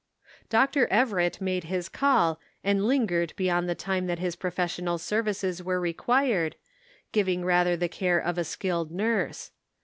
Dr. Everett made his call and lingered be yond the time that his professional services were required, giving rather the care of a skilled nurse.